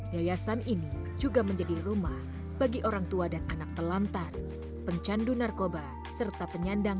yayasan ini juga menjadi rumah bagi orang tua dan anak telantar pencandu narkoba serta penyandang